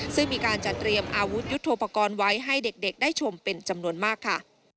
ซึ่งมีการจัดเตรียมอาวุธยุทธโปรกรณ์ไว้ให้เด็กได้ชมเป็นจำนวนมากค่ะ